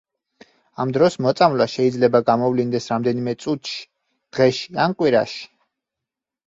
ამ დროს მოწამვლა შეიძლება გამოვლინდეს რამდენიმე წუთში, დღეში ან კვირაში.